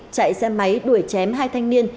chạy xe máy đuổi chém hai thanh niên